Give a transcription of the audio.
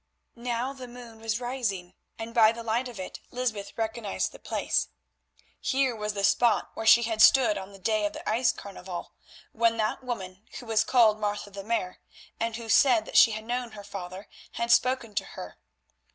Now the moon was rising, and by the light of it Lysbeth recognised the place. Here was the spot where she had stood on the day of the ice carnival, when that woman who was called Martha the Mare, and who said that she had known her father, had spoken to her.